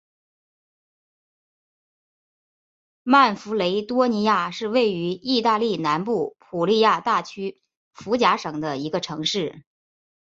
曼弗雷多尼亚是位于义大利南部普利亚大区福贾省的一个城市。